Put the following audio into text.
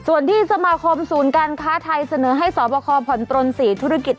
ส่วนที่สมาคมศูนย์การค้าไทยเสนอให้สอบคอผ่อนปลน๔ธุรกิจ